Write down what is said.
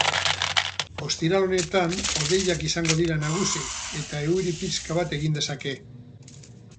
Ostiral honetan hodeiak izango dira nagusi, eta euri pixka bat egin dezake.